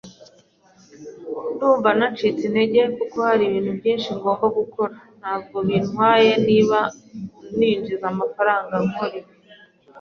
Ndumva nacitse intege kuko hari ibintu byinshi ngomba gukora. Ntabwo bintwaye niba ninjiza amafaranga nkora ibi.